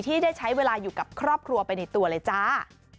ที่ได้ใช้เวลาอยู่กับครอบครัวไปในตัวเลยจ้า